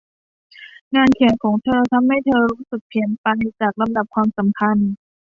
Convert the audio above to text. งานเขียนของเธอทำให้เธอรู้สึกผิดเพี้ยนไปจากลำดับความสำคัญ